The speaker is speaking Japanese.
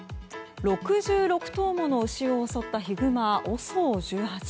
６６頭もの牛を襲ったヒグマＯＳＯ１８。